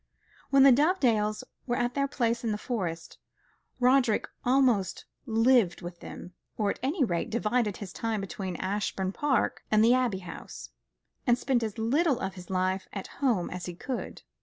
When the Dovedales were at their place in the Forest, Roderick almost lived with them; or, at any rate, divided his time between Ashbourne Park and the Abbey House, and spent as little of his life at home as he could.